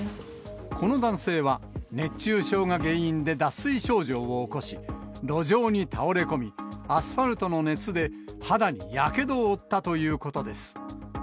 この男性は、熱中症が原因で脱水症状を起こし、路上に倒れ込み、アスファルトの熱で肌にやけどを負ったということです。